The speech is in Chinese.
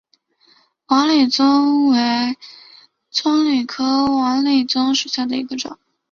瓦理棕为棕榈科瓦理棕属下的一个种。